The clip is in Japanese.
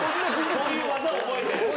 そういう技を覚えて。